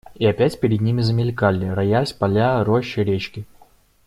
И опять перед ними замелькали, роясь, поля, рощи, речки.